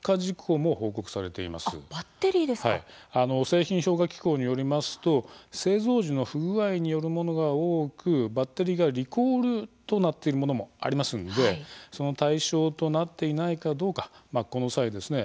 製品評価機構によりますと製造時の不具合によるものが多くバッテリーがリコールとなっているものもありますんでその対象となっていないかどうかこの際ですね